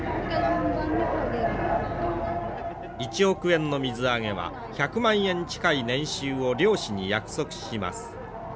１億円の水揚げは１００万円近い年収を漁師に約束します。